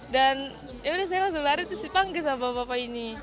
dan ya udah saya langsung lari terus dipanggil sama bapak bapak ini